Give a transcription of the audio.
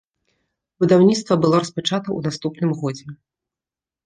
Будаўніцтва было распачата ў наступным годзе.